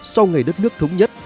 sau ngày đất nước thống nhất